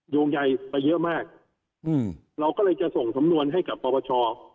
โยงใยไปเยอะมากเราก็เลยจะส่งสำนวนให้กับปปช